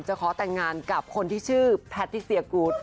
จะขอแต่งงานกับคนที่ชื่อแพทย์ที่เสียกรูด